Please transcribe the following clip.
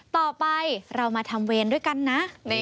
ต่อไปเรามาทำเวรด้วยกันนะ